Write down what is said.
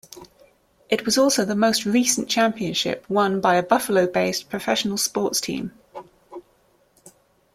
It was also the most recent championship won by a Buffalo-based professional sports team.